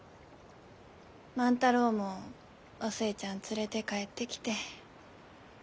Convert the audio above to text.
万太郎もお寿恵ちゃん連れて帰ってきて。